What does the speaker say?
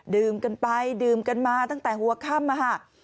ดื่มกันไปดื่มกันมาตั้งแต่หัวค่ำอะค่ะ